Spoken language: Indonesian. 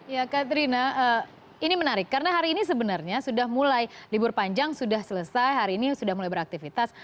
ya katrina ini menarik karena hari ini sebenarnya sudah mulai libur panjang sudah selesai hari ini sudah mulai beraktivitas